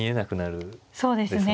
そうですね。